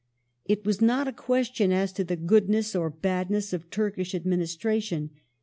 It was not a (|uestion as to the goodness or badness of Turkish administration.